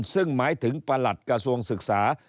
ซึ่งหมายถึงประหลัดกระทรวงศึกษา